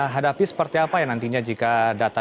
hadapi seperti apa ya nantinya jika data